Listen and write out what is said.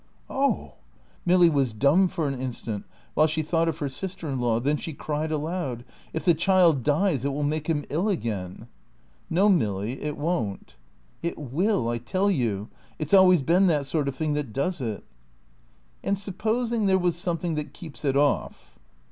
"Oh " Milly was dumb for an instant while she thought of her sister in law. Then she cried aloud. "If the child dies it will make him ill again!" "No Milly, it won't." "It will, I tell you. It's always been that sort of thing that does it." "And supposing there was something that keeps it off?"